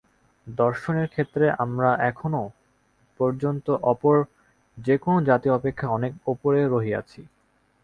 দর্শনের ক্ষেত্রে আমরা এখনও পর্যন্ত অপর যে কোন জাতি অপেক্ষা অনেক উপরে রহিয়াছি।